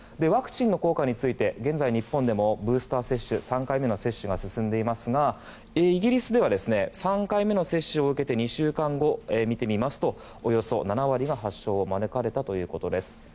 ワクチンの効果について現在、日本でもブースター接種３回目の接種が進んでいますがイギリスでは３回目の接種を受けて２週間後を見てみますとおよそ７割が発症を免れたということです。